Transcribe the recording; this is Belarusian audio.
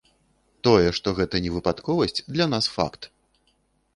Тое, што гэта не выпадковасць для нас факт!